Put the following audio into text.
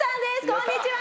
こんにちは！